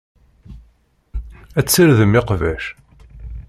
Ad tessirdem iqbac.